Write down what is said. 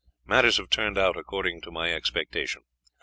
Matters have turned out according to my expectation.